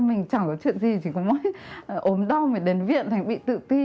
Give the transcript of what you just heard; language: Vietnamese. mình chẳng có chuyện gì chỉ có mỗi ốm đong mới đến viện thành bị tự ti